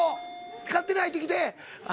勝手に入ってきて。